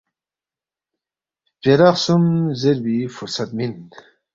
خپیرا خسُوم زیربی فرصت مِن